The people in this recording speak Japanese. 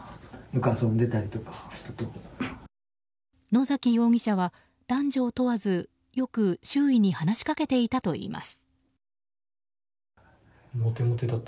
野崎容疑者は男女を問わずよく周囲に話しかけていたといいます。